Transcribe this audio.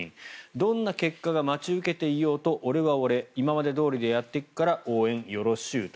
どんな結果が待ち受けていようと俺は俺今までどおりでやってくから応援よろしゅーと。